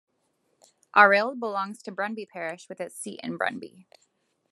Arild belongs to Brunnby parish with its seat in Brunnby.